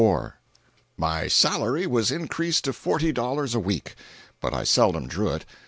My salary was increased to forty dollars a week. But I seldom drew it.